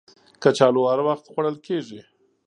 کچالو هر وخت خوړل کېږي